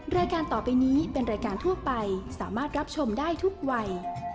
รายการต่อไปนี้เป็นรายการทั่วไปสามารถรับชมได้ทุกวัย